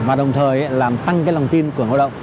và đồng thời làm tăng cái lòng tin của ngôi động